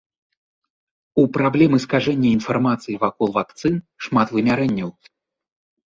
У праблемы скажэння інфармацыі вакол вакцын шмат вымярэнняў.